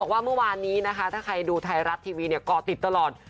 ว่าเมื่อวานนี้นะคะถ้าใครดูไทยรัฐทีวีเนี่ยก่อติดตลอด